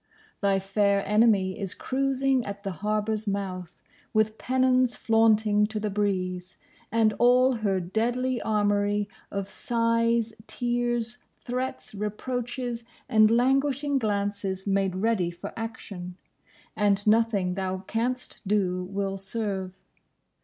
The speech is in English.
Thy fair enemy is cruising at the harbour's mouth, with pennons flaunting to the breeze, and all her deadly armoury of sighs, tears, threats, reproaches and languishing glances made ready for action; and nothing thou canst do will serve.